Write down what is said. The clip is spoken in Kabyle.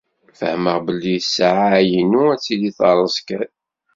Fehmeɣ belli ssaεa-inu ad tili terreẓ kan.